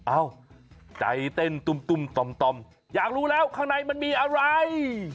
เอ้าใจเต้นตุ้มต่อมอยากรู้แล้วข้างในมันมีอะไร